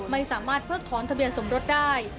ไม่สามารถเพิกถอนทะเบียนสมรสได้